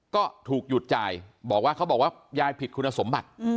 ก็ถูกหยุดจ่ายบอกว่าเขาบอกว่ายายผิดคุณสมบัติ